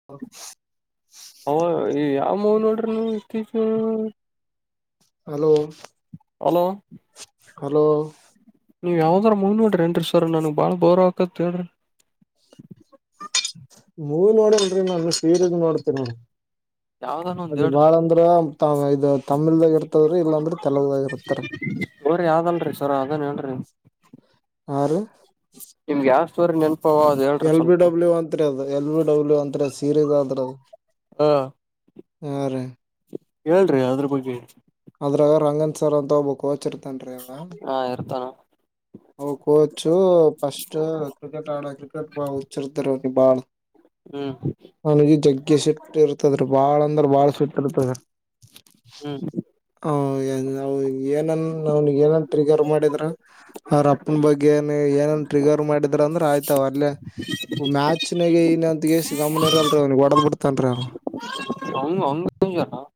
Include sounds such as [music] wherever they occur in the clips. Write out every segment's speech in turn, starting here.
[inaudible] ಹ ಯಾವ ಮೂವ ನೋಡ್ರಿನು ಇ ಹಲೋ ಹಲೋ ಹಲೋ ನೀವ ಯಾವದರ ಮೂವಿ ನೋಡಿರಿ ಏನ್ರಿ ಸರ್ ನನಗ ಭಾಳ ಬೋರ್ ಆಕತ್ತ ಹೇಳ್ರಿ. ಮೂವಿ ನೋಡಲ್ರಿ ನಾನು ಸೀರಲ್ ನೋಡ್ತೇ ನೋಡ. ಯಾವ ಅದ ಬಾಳ ಅಂದ್ರ ತ ಇದ ತಮಿಳದಾಗ ಇರ್ತದ್ರ ಇಲ್ಲಾಂದ್ರೆ ತೆಲುಗದಾಗ ಇರ್ತಾರ. ಬೋರಿ ಯಾವ್ದಲ್ರರಿ ಸರ ಅದೇನ್ ಹೇಳ್ರಿ. ಆ ರೀ ನಿಮಗ್ ಯಾವ್ ಸ್ಟೋರಿ ನೆನ್ಪವ ಎಲ್ ಬಿ ಡಬ್ಲ್ಯೂ ಅಂತ್ರಿ ಅದು ಎಲ್ ಬಿ ಡಬ್ಲ್ಯೂ ಅಂತ್ರ ಸೀರೀ [unintelligible] ಅದು ಹೌದ ಹಾ ರೀ ಹೇಳ್ರಿ ಅದ್ರ ಬಗ್ಗೆ? ಅದ್ರಾಗ ರಂಗನ್ ಸರ್ ಅಂತ ಒಬ್ಬ ಕೋಚ್ ಇರ್ತನ್ ರೀ ಅವ. ಹಾ ಇರ್ತಾನ ಅವ ಕೋಚು ಫಸ್ಟ ಕ್ರಿಕೆಟ್ ಆಡೋ ಕ್ರಿಕೆಟ್ ಹುಚ್ ಇರತದ ರೀ ಅವ್ರಿಗಿ ಬಾಳ. ಹ್ಮ ಅವನಗೆ ಜಗ್ಗೆ ಸಿಟ್ಟ ಇರ್ತದ್ರಿ ಬಾಳ ಅಂದ್ರ ಬಾಳ ಸಿಟ್ ಇರ್ತದೆ. ಹ್ಮ ಹ [unintelligible] ಏನನ ಟ್ರಿಗರ್ ಮಾಡಿದ್ರ ಅವ್ರಪ್ಪನ ಬಗ್ಗೆ ಏನು ಏನನ ಟ್ರಿಗರ್ ಮಾಡಿದ್ರ ಅಂದ್ರೆ ಆಯ್ತ ಅವ ಅಲ್ಲೇ ಮ್ಯಾಚ್ ನಾಗ ಏನ [unintelligible] ಗಮನ ಇರಲ್ರಿ ಅವನಿಗೆ ಹೊಡೆದ್ ಬಿಡ್ತನ್ ರೀ ಅವ. [unintelligible]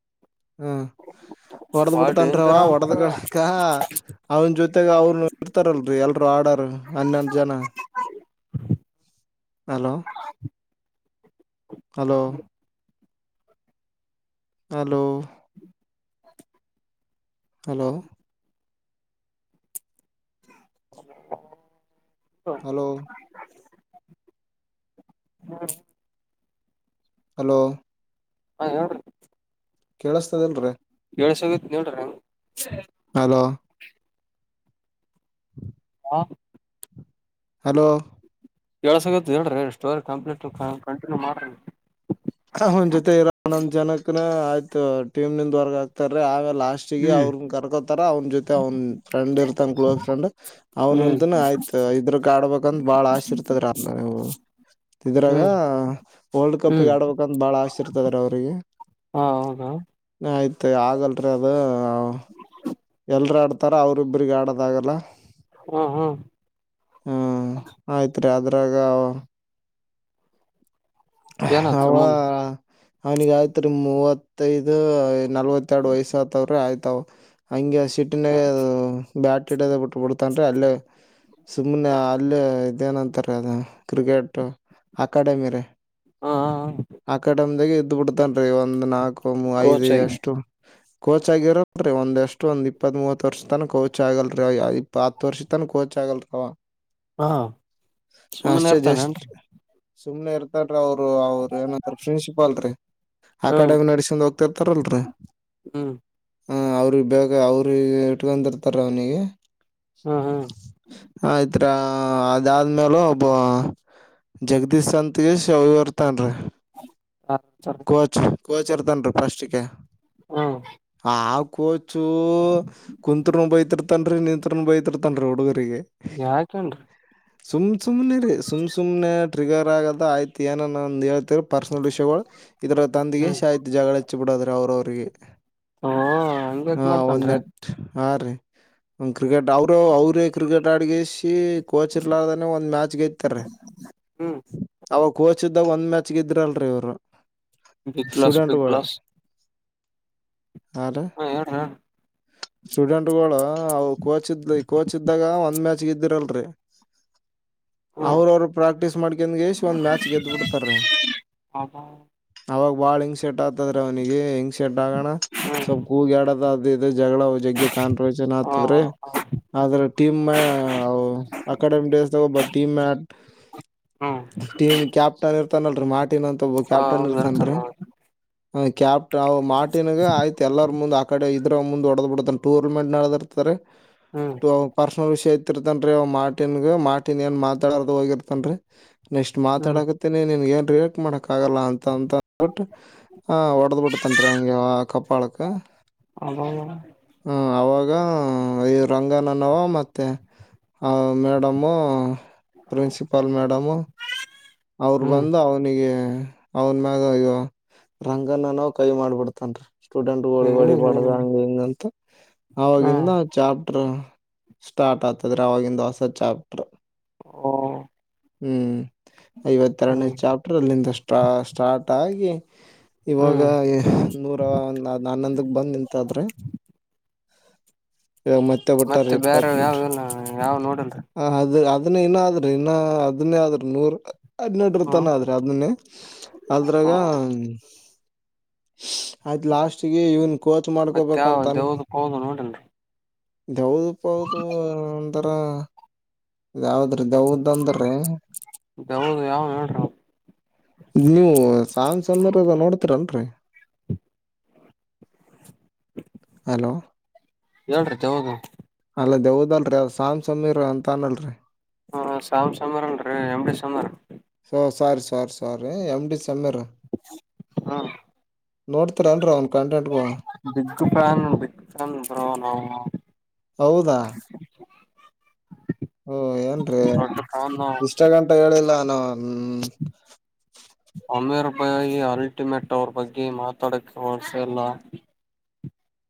ಹ್ಮ ಒಡದ್ ಬಾಳ ಬಿಡ್ತನ್ ರೀ ಡೇಂಜರ್ ಅವ ಅನ್ರಿ. [unintelligible] ಅವನ ಜೊತೆಗ್ ಅವ್ರು ಇರ್ತಾರಲ್ರಿ ಎಲ್ [unintelligible] ಹನ್ನೊಂದು ಜನ. Hello hello hello hello hello [unintelligible] [inaudible] hello ಹಾ ಹೇಳ್ಡ್ರಿ ಕೇಳಸ್ತದೇನ್ರಿ? [unintelligible] ಹಲೋ [inaudible] ಹಾ ಹಲೋ ಕೇಳ್ಸಕತ್ತಿ ಹೇಳ್ರಿಹೇಳ್ರಿ ಸ್ಟೋರಿ ಕಂಪ್ಲೀಟ್ ಕಂಟಿನ್ಯೂ ಮಾಡ್ರಿ. ಅವ್ನ ಜೊತೆ ಇರೋ ಹನ್ನೊಂದ್ ಜನಕ್ಕುನು ಆಯ್ತು ಟೀಮ್ ನಿಂದ ಹೊರ್ಗ ಆಕ್ತಾರೀ ಆಗ ಲಾಸ್ಟ ಹ್ಮ್ [unintelligible] ಕರ್ಕೋತಾರ ಅವನ ಜೊತೆ ಅವನ್ ಫ್ರೆಂಡ ಇರ್ತಾನ್ ಕ್ಲೋಸ್ ಫ್ರೆಂಡ್. ಹ್ಮ್ ಅವ್ನುಂತನ ಆಯ್ತು ಇದ್ರಕ್ ಆಡ್ಬೇಕಂತ ಬಾಳ್ ಆಸೆ ಇರ್ತದ [unintelligible] ಇದ್ರಾಗ ಹ್ಮ್ ವರ್ಲ್ಡ್ ಕಪ್ ಗೆ ಹ್ಮ್ ಆಡ್ಬೇಕು ಬಾಳ ಅಸೆ ಇರ್ತದ್ರಿ ಅವ್ರಿಗೆ ಹಾ ಹೌದಾ ಆಯ್ತು ಆಗಲ್ರಿ ಅದು ಎಲ್ರು ಆಡ್ತಾರ ಅವ್ರ ಇಬ್ಬ್ರಿಗೆ ಆಡೋದಾಗಲ್ಲ? ಹ ಹಾ ಹ್ಮ ಆಯ್ತ್ರಿ ಅದ್ರಾಗ ಅವ ಏನಾತ್ರಿ ಮುಂದ ಅವನಿಗೆ ಆಯ್ತ್ರಿ ಮೂವತ್ [unintelligible] ನಲ್ವತ್ತೆರಡು ವಯಸ್ಸ ಆತವ್ರೆ ಆಯ್ತಾವ್. ಹಂಗೆ ಸಿಟ್ಟಿನಾಗ ಅದು ಬ್ಯಾಟ ಇಡೋದ ಬಿಟ್ ಬಿಡ್ತಾನ್ರಿ ಅಲ್ಲೇ ಸುಮ್ಮ್ನೆ ಅಲ್ಲೇ ಅದೇನಂತಾರೆ ಅದ ಕ್ರಿಕೆಟ್ ಅಕಾಡೆಮಿ ರೆ ಹಾ ಆ ಕಡೆಯೋಂದ್ದಿಗಿ ಇದ್ದ ಬಿಡ್ತನ್ ಒಂದ್ ನಾಲ್ಕು ಮೂ ಐದ ಕೋಚ್ ಆಗಿ ಎಷ್ಟು ಕೋಚ್ ಆಗಿರರಿ ಒಂದಷ್ಟು ಒಂದ ಇಪ್ತತ್ ಮುವತ್ ವರ್ಷ ತನ ಕೋಚ್ ಆಗಲ್ರಿ ಅವಾ ಇ ಹತ್ತು ವರ್ಷ ತನ ಕೋಚ್ ಆಗಲ್ರವಾ ಹಾ ಹಷ್ ಸುಮ್ಮನೆ ಜಸ್ಟ್ ಇರ್ತಾನೇನ್ರಿ ಸುಮ್ನೆ ಇರ್ತಾರೀ ಅವ್ರು ಅವರು ಏನ ಪ್ರಿನ್ಸಿಪಾಲ್ ರಿ ಹ್ಮ್ ಅಕಾಡೆಮಿ ನಡ್ಸೊಂಡ ಹೋಗ ತಿತ್ತಾರಲ್ರೀ ಹ್ಮ್ ಹ ಅವ್ರ ಬೇಕು ಅವ್ರಿಗೆ ಇಟ್ಕಿರ್ತಾರ ಅವ್ನಿಗೆ ಹ್ ಹಾ ಆಯ್ತ್ರ ಅದಾದ್ಮೇಲ ಒಬ್ಬವಾ ಜಗದೀಶ್ ಸಂತಗೆ ಶ ಅವಿಇರ್ತಾನ್ ರೀ ಹಾ [unintelligible] ಕೋಚ್ ಇರ್ತಾನ್ ರಿ ಪಸ್ಟ್ ಗೇ ಹ್ಮ್ ಆ ಕೋಚ್ ಕೊಚ್ಚೂ ಕುಂತ್ರು ಬೈತಿರ್ತನ್ರಿ ನಿತ್ ಬೈತಿರ್ತನ್ರಿ ಹುಡುಗರಿಗೆ ಯಾಕೇ ಎನ್ರಿ ಸುಮ್ಮ್ ಸುಮ್ಮ್ನೆ ರೀ ಸುಮ್ಮ್ ಸುಮ್ಮನೆ ಟ್ರಿಗರ್ ಆಗದ ಆಯ್ತು ಏನಾನ ಒಂದು ಹೇಳ್ತಿರ್ ಪರ್ಸ್ನಲ್ ವಿಷ್ಯೂಗಳು ಇದರ ಹ್ಮ್ ತಂದಕೇಶಿ ಆತ ಜಗಳ ಹೆಚ್ಚಿಬಿಡೋದ ಅವ್ರವರಿಗೆ ಹ ಹಂಗ ಯಾಕ ಮಾಡ್ತನ್ ರೀ ಆ ರೀ ಒ ಕ್ರಿಕೆಟ್ ಅವರು ಅವ್ರೇ ಕ್ರಿಕೆಟ್ ಅಡಗೇಸಿ ಕೋಚ್ ಇರ್ಲಾದನೆ ಒಂದ್ ಮ್ಯಾಚ್ ಗೆತ್ತಾರಿ ಹುಂ ಅವಾಗ ಕೋಚ್ ಇದ್ದಾಗ ಒಂದ್ ಮ್ಯಾಚ್ ಗೆದ್ದಿರಲ್ರಿ ಇವ್ರು big glass student big goal. Glass ಆ ರಿ ಹಾ ಹೇಳ್ರಿಹೇಳ್ರಿ. ಸ್ಟೂಡೆಂಟ್ ಗೋಳ ಅ ಕೋಚ್ ಇದ್ ಕೋಚ್ ಇದ್ದಾಗ ಒಂದ್ ಮ್ಯಾಚ್ ಗೆದ್ದಿರಲ್ರಿ [inaudible] ಹ್ಮ್ ಅವ್ರ ಅವರು ಪ್ರಾಕ್ಟೀಸ್ ಮಾಡ್ಕೊಂಡ್ ಗೇಸಿ ಒಂದ್ ಮ್ಯಾಚ್ ಗೆದ ಬಿಡ್ತಾರೀ. ಹ್ಮ್ ಅವಾಗ ಬಾಳ್ ಇನ್ ಸೇಟ್ ಆತದ್ರ ಅವ್ನಿಗೆ ಇನ್ ಶಟ್ ಆಗಾಣ ಸ್ವಲ್ಪ್ ಕೂಗ್ಯಾಡ್ಯಾದ ಅದು ಇದು ಜಗಳಾ ಜಗ್ಗೆ ಕಾನ್ ರೋಚನ್ ಹಾ ಆತದ್ರಿ ಹಾ ಹಾ ಆದ್ರೆ ಟೀಮ್ ಮ ಅವು ಅಕಾಡೆಮಿಕ್ ಡೇಸ್ ತಗೋಬ ಟೀಮ. ಹ್ಮ್ ಟೀಮ್ ಕ್ಯಾಪ್ಟನ್ ಇರ್ತಾನಲರಿ ಮಾರ್ಟಿನ್ ಅಂತ ಒಬ್ಬ ಹ ಕ್ಯಾಪ್ಟನ್ ಇರ್ತಾರ ಇರ್ತಾನ್ರಿ ಹ ಕ್ಯಾಪ್ಟ ಅವ ಮಾರ್ಟಿನ್ ಗೆ ಆಯ್ತ ಎಲ್ಲಾರ ಮುಂದೆ ಅ ಇದ್ರ ಮುಂದ ಹೊಡದ್ ಬಿಡತಾನ್ ಟೂರ್ನಮೆಂಟ್ ನಡದ ಇರ್ತಾರೆ ಹ್ಮ್ ಪರ್ಸನಲ್ ವಿಷಯ ಎತ್ ಇರ್ತನ್ ರೀ ಅವ ಮಾರ್ಟಿನ್ ಗ ಮಾರ್ಟಿನ್ ಏನ್ ಮಾತಾಡಲಾರದ ಹೋಗಿರ್ತನ್ರಿ ನೆಕ್ಸ್ಟ್ ಹ್ಮ್ ಮಾತಾಡಕ್ ಹತಿ ನಿನ್ನಗ ಏನ್ ರಿಯಾಕ್ಟ್ ಮಾಡಕ್ಕ ಆಗಲ್ಲಾ ಅಂತ ಅಂದ್ಬಿಟ್ಟು ಹಾ ಹೊಡೆದ ಬಿಡ್ತಾನ್ರಿ ಹಂಗೆ ಕಪ್ಪಾಳಕ್ಕ ಅದು ಹ್ ಅವಾಗ ಈ ರಂಗಣ್ಣ ಅನಾವ ಮತ್ತೆ ಆ ಮೇಡಮು ಪ್ರಿನ್ಸಿಪಾಲ್ ಮೇಡಮು ಅವ್ರು ಹ್ಮ್ ಬಂದು ಅವನಿಗೆ ಅವನ್ ಮ್ಯಾಗ ಈ ರಂಗ ಅನ್ನಾ ವ ಕೈ ಮಾಡ್ಬಿಡ್ತಾನರಿ. ಸ್ಟೂಡೆಂಟ್ಗೋಳಿಗ್ ಹೊಡಿಬಾಡದ ಹ್ಮ್ ಹಂಗ ಹಿಂಗಂತ ಹ್ಮ್ ಆವಾಗಿಂದ ಚಾಪ್ಟರು ಸ್ಟಾರ್ಟ್ ಆಗ್ತದ್ರೆ ಆವಾಗಿಂದ ಹೊಸ ಚಾಪ್ಟರು ಹಾ ಹುಂ ಐವತ್ತೆರಡನೇ ಹ್ಮ್ ಚಾಪ್ಟರ್ ಅಲ್ಲಿಂದ ಸ್ಟಾ ಸ್ಟಾರ್ಟ್ ಆಗಿ ಇವಾಗ ಹ್ಮ್ ಈಗ್ ನೂರ ಒಂದ್ ಹನ್ನೊಂದಕ್ ಬಂದ್ ನಿಂತದ್ರಿ ಇವಾಗ ಮತ್ ಮತ್ತೆ ಬೇರೆ ಯಾವ ಇಲ್ಲ ಯಾವ್ ನೋಡಿಲ್ರಿ ಹ ಅದ ಅದನ್ನ ಇನ್ನ ಆದ್ರರಿ ಇನ್ನ ಅದನ್ನೇ ಆದ್ರರು ನೂರ ಹನ್ನೆರ್ಡ್ ಹ್ಮ ತನ ಆದ್ರೀ ಅದನ್ನೇ. ಆದ್ರಗ ಆಯ್ತ್ ಲಾಸ್ಟ್ಗೆ ಇವನ್ ಕೋಚ್ ಮತ್ತೆ ಯಾವ ಮಾಡ್ಕೊಬೇಕಂತ ಅನ್ಕೊ ದೇವ್ದ ಪೌದು ನೋಡಲ್ರಿ ದೇವ್ ದಪ್ಪ ಅದು ಅಂದರ ಅದ್ ಯಾವ್ದ್ ರಿ ದೆವ್ವದ್ ಅಂದ್ರೆ ದೆವ್ವದ್ ಯಾವ್ದ್ ಹೇಳ್ರಿ. ನೀವು ಸಾಂಗ್ಸ್ ಅಂದ್ರ ಇದು ನೋಡ್ತೀರಲ್ರೀ. ಹಲೋ. ಹೇಳ್ರಿ ದೌದು ಅಲ್ಲ ದೆವ್ವದ್ ಅಲ್ರೀ ಅದ ಸಾಮ್ ಸಮಿರ ಅಂತ ಅವ್ನಲ್ರಿ ಹಾ ಸಾಮ್ ಸಮೀರ್ ಅಲ್ರೀ M D Sameer. So sorry sorry sorry M D Sameer. ಹ್ಮ್. ನೋಡ್ತಿರ್ ಏನ್ರೀ ಅವ್ನು ಕಂಟೆಂಟ್ ಗಳನ್ನ. ಬಿಗ್ ಫ್ಯಾನ್ ರಿ ಬಿಗ್ ಫ್ಯಾನ್ ಬ್ರೋ ನಾವು. ಹೌದಾ. ಹೋ ಏನ್ರೀ ದೊಡ್ಡ ಫ್ಯಾನ್ ನಾವು ಇಷ್ಟಾಗಂಟ ಹೇಳಿಲ್ಲ ನಾ ಹ್ಮ್ ಸಮಿರ್ ಬಾಯಿ ಅಲ್ಟಿಮೇಟ್ ಅವ್ರ ಬಗ್ಗೆ ಮಾತಾಡಕ್ಕೆ ವರ್ಡ್ಸ್ ಇಲ್ಲ.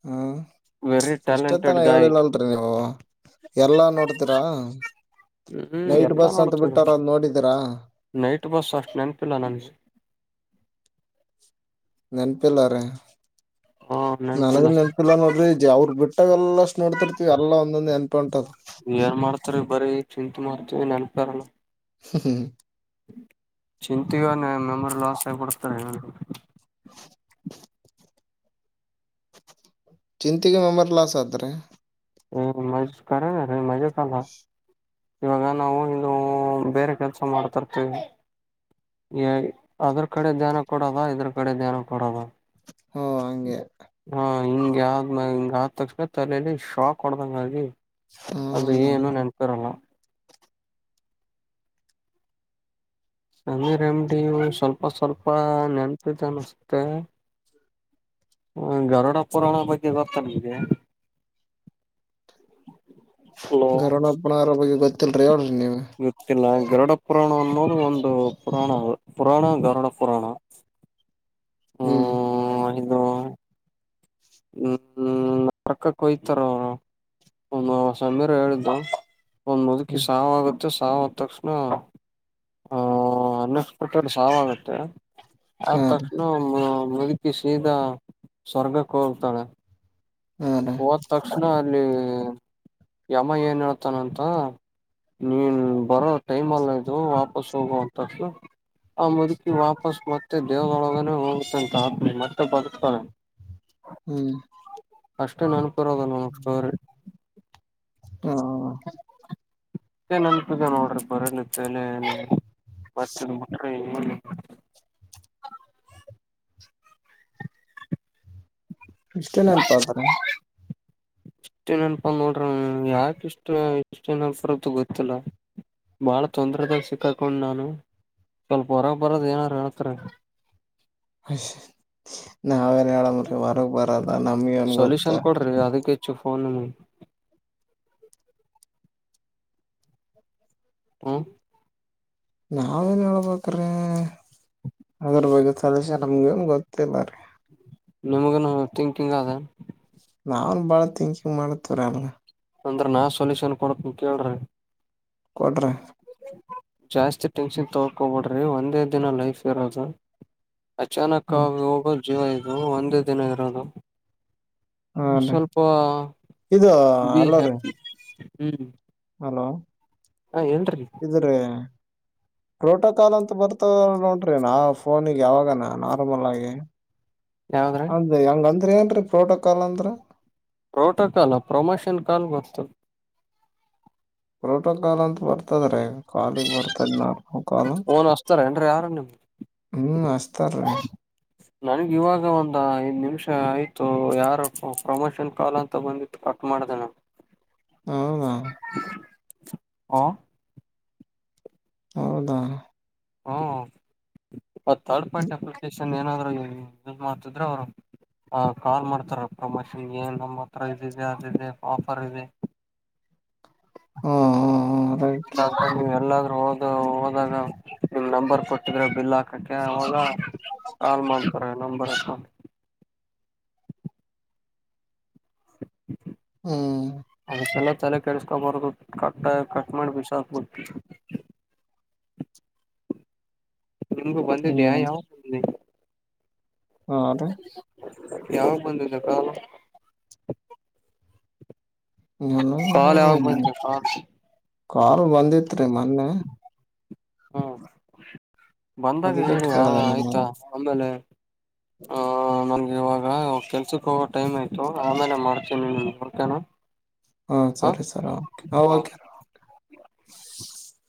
ಹ್ಮ್. ವೆರಿ ಇಷ್ಟತ್ತನ ಟ್ಯಾಲೆಂಟೆಡ್ ಗಾಯ್ ಹೇಳಿಲ್ಲಲ್ರಿ ನೀವು ಎಲ್ಲಾ ನೋಡ್ತೀರಾ. ಹ್ಮ್ ನೈಟ್ ಎಲ್ಲಾ ಬಸ್ ಅಂತ ನೋಡ್ತವ್ರಿ ಬಿಟ್ಟರಾ ಅದ್ ನೋಡಿದೀರಾ. ನೈಟ್ ಬಸ್ ಅಷ್ಟ ನೆನ್ಪ್ ಇಲ್ಲ ನನಿಗೆ. ನೆನಪಿಲ್ಲ ರೀ ಹಾ ನನಗೂ ನೆನಪಿಲ್ಲ ಸರ್ ನೆನಪಿಲ್ಲಾ ನೋಡ್ರಿ ಅವ್ರು ಬಿಟ್ಟಾಗ ಎಲ್ಲ ಅಷ್ಟು ನೋಡ್ತಿರ್ತಿವಿ ಎಲ್ಲ ಒಂದೊಂದು [unintelligible] ಏನ್ ಮಾಡ್ತೀರಿ ಬರೀ ಚಿಂತ್ ಮಾಡ್ತವಿ ನೆನಪೇ ಇರಲ್ಲ. ಹ್ಮ್ ಹ್ಮ್. ಚಿಂತಿಗೆ ನನ್ ಮೆಮೊರಿ ಲಾಸ್ ಆಗ್ಬಿಡುತ್ತೋ ಏನೋ. ಚಿಂತಿಗೆ ಮೆಮರಿ ಲಾಸ್ ಆಗುತ್ತೆ ರೀ. ಹ್ಮ್ [unintelligible] ಖರೇನೆ ರಿ [unintelligible] ಇವಾಗ ನಾವು ಇದು ಬೇರೆ ಕೆಲ್ಸ ಮಾಡ್ತಿರ್ತೀವಿ ಏಯ್ ಅದ್ರ ಕಡೆ ಧ್ಯಾನ ಕೊಡದ ಇದ್ರ ಕಡೆ ಧ್ಯಾನ ಕೊಡದ. ಹೋ ಹಂಗೆ. ಹೀಗೆ ಆದ್ ಮ್ಯಾ ಆದ್ ತಕ್ಷಣ ತೆಲೆಯಲ್ಲಿ ಶಾಕ್ ಹೊಡದಂಗ್ ಆಗಿ ಅದು ಹ್ಞೂ ಏನು ನೆನಪ್ ಬರಲ್ಲ. ಸಮೀರ್ ಎಂ ಡಿ ಸ್ವಲ್ಪ ಸ್ವಲ್ಪ ನೆನಪಿದಾನಷ್ಟೇ. ಹ್ಮ್ ಗರುಡ ಪುರಾಣ ಬಗ್ಗೆ ಗೊತ್ತಾ ನಿಮ್ಗೆ. ಹಲೋ ಗರುಡ ಪುರಾಣದ ಬಗ್ಗೆ ಗೊತ್ತಿಲ್ರಿ ಹೇಳ್ರಿ ನೀವೇ. ಗೊತ್ತಿಲ್ವಾ ಗರುಡ ಪುರಾಣ ಅನ್ನೋದು ಒಂದು ಪುರಾಣ ಪುರಾಣ ಗರುಡ ಪುರಾಣ. ಹ್ಮ್. ಹ್ಮ್ ಇದು ಹ್ಮ್ ಪಕ್ಕಾ ಕೊಯ್ತಾರೋ ಇದು ಸಮೀರ್ ಹೇಳಿದ್ದು. ಒಂದ್ ಮುದುಕಿ ಹ್ಮ್ ಸಾವಾಗು ಸಾವ್ ಆದ ತಕ್ಷಣ ಆ ಅನ್ಎಕ್ಸ್ಪೆಕ್ಟೆಡ್ ಸಾವಾಗುತ್ತೆ. ಆದ್ ಹಾ ರೀ ತಕ್ಷಣ ಮುದಕಿ ಸೀದಾ ಸ್ವರ್ಗಕ್ ಹೋಗ್ತಾಳೆ. ಹಾ ರೀ ಹೋದ್ ತಕ್ಷಣ ಅಲ್ಲಿ. ಯಮ ಏನ್ ಹೇಳ್ತಾನಂತ ನೀನು ಬರೊ. ಟೈಮ್ ಅಲ್ಲ ಇದು ವಾಪಸ್ ಹೋಗುವಂತದ್ದು. ಆ ಮುದುಕಿ ವಾಪಸ್ ಮತ್ತೆ ದೇವಗಳೊಳಗನೆ ಹೋಗ್ತಂತ ಆತ್ಮ ಮತ್ತೆ ಬದುಕ್ತಾಳೆ. ಹ್ಮ್. ಅಷ್ಟೇ ನೆನಪು ಇರೋದು ನಮಗ ಸ್ಟೋರಿ. ಹ. ಏ ನೆನಪು ಇದೆ ನೋಡ್ರಿ ಬರೆ ನಿಮ್ಮ ತೆಲೆಯಲ್ಲಿ. ಮತ್ತ್ ಮುಟ್ರೆಏನಿಲ್ಲಾ. ಇಷ್ಟೇ ನೆನಪು ಆತನಾ. ಇಷ್ಟೇ ನೆನಪು ನೋಡ್ರಿ ಯಾಕ್ ಇಷ್ಟು ಇಷ್ಟು ನನೆಪು ಇರುತ್ತೆ ಗೊತ್ತಿಲ್ಲ. ಬಾಳ ತೊಂದ್ರೆದಾಗ ಸಿಕ್ಕಕೊಂಡ್ ನಾನು ಸ್ವಲ್ಪ ಹೊರ ಬರದ ಏನಾರ ಹೇಳ್ತಿರಾ. ನಾವೇನ್ ಹೇಳದ್ ನೋಡ್ರಿ ಹೊರಗ್ ಬರೋದು ನಮಗೇನು ಗೊತ್ತು. ಬರಿ ಅದಕ್ಕೆ ಹೆಚ್ಚು ಫೋನು. ಹಾ. ನಾವೇನ್ ಹೇಳ್ಬೇಕ್ರೀ ಅದ್ರ ಬಗ್ಗೆ ಸೊಲ್ಯೂಷನ್ ನಮ್ಗ ನ್ ಗೊತ್ತಿಲ್ಲ ರೀ. ನಿಮಗೇನು ಥಿಂಕಿಂಗ್ ಅದ. ನಾನ್ ಬಹಳ ಥೀಕಿಂಗ್ ಮಾಡತವ್ರ ಅನ್ಗೆ. ಅಂದ್ರ ನಾ ಸೊಲ್ಯೂಷನ್ ಕೊಡತ್ತೀನಿ ಕೇಳ್ರಿ. ಕೊಡ್ರಿ. ಜಾಸ್ತಿ ಟೆನ್ಷನ್ ತಗಕೊಬಿಡ್ರಿ ಒಂದೇ ದಿನ ಲೈಫ್ ಇರೋದು. ಹ್ಮ್ ಅಚಾನಕ್ಕಾಗಿ ಹೋಗೋ ಜೀವ ಇದು ಒಂದೇ ದಿನ ಇರೋದು. ಹಾ ರೀ ಸ್ವಲ್ಪ ಇದು ಬಿ ಹಲೋ ರೀ ಹ್ಯಾಪಿ ಹ್ಮ್. ಹಲೋ. ಹಾ ಹೇಳ್ರಿ. ಇದು ರೀ ಪ್ರೋಟೋಕಾಲ್ ಅಂತ ಬರುತ್. [unintelligible] ನೋಡ್ರಿ ನಾ ಫೋನಿಗೆ ಯಾವಾಗನಾ ನಾರ್ಮಲ್ ಆಗಿ. ಯಾವಗ್ರೀ. ಅ ಹೆಂಗ್ ಅಂದ್ರೆ ಏನ್ ರೀ ಪ್ರೋಟಕಾಲ್ ಅಂದ್ರ. ಪ್ರೋಟೋಕಾಲ ಪ್ರೊಮೋಷನ್ ಕಾಲ್ ಗೊತ್ತು. ಪ್ರೋಟೋಕಾಲ್ ಅಂತ್ ಬರ್ತದರೀ. ಕಾಲಿಗೆ ಬರ್ತದ ನಾಲ್ಕು ಕಾಲ್ ಫೋನ್ ಹಸ್ತಾರ ಏನ್ರಿ ಯಾರ ನಿಮ್ ಹ್ಮ್ ಅಚ್ತಾರೀ. [inaudible] ನನಿಗ ಇವಾಗ ಒಂದು ಐದ್ ನಿಮಿಷ ಆಯ್ತು ಯಾರೊ ಪ್ರಮೋಷನ್ ಕಾಲ್ ಅಂತ ಬಂದಿತ್ತು ಕಟ್ ಮಾಡ್ದೆನಾ. [inaudible] ಹೌದಾ ಹ. ಹೌದಾ. ಹಾ ಆ ತರ್ಡ್ ಪಾರ್ಟಿ ಹ್ಮ್ ಅಪ್ಲಿಕೇಶನ್ ಏನಾದ್ರು ಯೂಸ್ ಮಾಡ್ತಿದ್ರ ಅವ್ರು. ಹ ಕಾಲ್ ಮಾಡ್ತಾರ ಪ್ರಮೋಷನ್ ಏನ್ ನಮ್ಮ ಹತ್ರ ಇದಿದೆ ಅದಿದೆ ಆಫರ್ ಇದೆ. [unintelligible] ಹ್ಮ್ ರೈಟ್ ನೀವ್ ಎಲ್ಲಾದ್ರೂ ಹೋದ ಹೋದಾಗ. ನಂಬರ್ ಕೊಟ್ಟಿದ್ರೆ ಬಿಲ್ ಹಾಕಕ್ಕೆ ಅವಾಗ ಕಾಲ್ ಮಾಡ್ತಾರೆ ನಂಬರ್ ಹಕ. [unintelligible] ಹ್ಮ. ಅದುಸಲ್ಲ ತಲೆ ಕೆಡಸ್ಕೋಬಾರದು ಕ ಕಟ್ ಮಾಡ್ ಬಿಸಾಕ್ಬಿಡು. ನಿಮ್ಗೂ ಬಂದಿದ್ದ ಹ್ಮ್ ಯವ ಹ್ಮ ಯಾವಾಗ ಬಂದಿದ ಕಾಲ್ ಹ್ಮ ಕಾಲ್ ಯಾವಾಗ ಬಂದಿದೆ ಕಾಲ್ ಕಾಲ್ ಬಂದಿತ್ರಿ ಮೊನ್ನೆ. ಹ್ಮ ಬಂದಾಗ ಅದಕ್ಕೆ ಹೇಳಿ ಆ ಕೇಳ್ದೆ ನಿಮ್ಗೆ ಆಯ್ತಾ ಆಮೇಲೆ ಆ ನನ್ಗ ಇವಾಗ ಕೆಲ್ಸಕ ಹೋಗೋ ಟೈಮ್ ಆಯತು ಆಮೇಲೆ ಮಾಡ್ತೀ ನೋಡ್ತೇನ. ಹಾ ಸರಿ ಸರ ಓಕೆ ಹಾ ಹ ಒಕ್ರಿ.